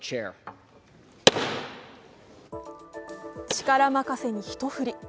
力任せに一振り。